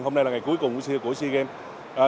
hôm nay là ngày cuối cùng của sea games